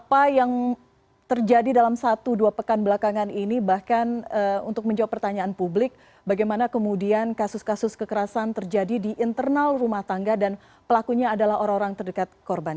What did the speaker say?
apa yang terjadi dalam satu dua pekan belakangan ini bahkan untuk menjawab pertanyaan publik bagaimana kemudian kasus kasus kekerasan terjadi di internal rumah tangga dan pelakunya adalah orang orang terdekat korban